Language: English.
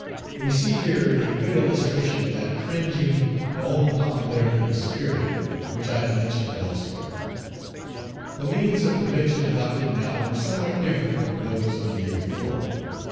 We see here a good illustration of that cringing, "bone popularity" spirit which I have mentioned elsewhere. The means of prevention adopted now were somewhat different from those of a year before.